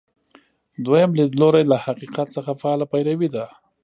دویم لیدلوری له حقیقت څخه فعاله پیروي ده.